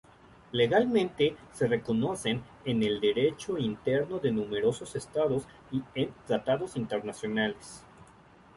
Legalmente, se reconocen en el derecho interno de numerosos Estados y en tratados internacionales.